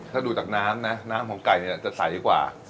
ถ้าดูจากน้ำนะน้ำของไก่เนี่ยจะใสกว่า